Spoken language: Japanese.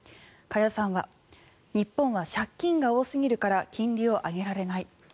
加谷さんは日本は借金が多すぎるから金利を上げられない。